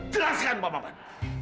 jelaskan pak man